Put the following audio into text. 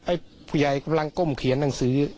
ผู้ใหญ่กำลังก้มเขียนหนังสือ